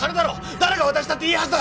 誰が渡したっていいはずだ！